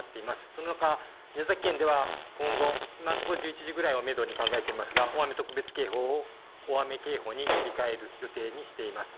そのほか宮崎県では今後、今のところ１１時ぐらいをメドに考えていますが、大雨特別警報を大雨警報に切り替える予定にしています。